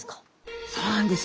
そうなんです。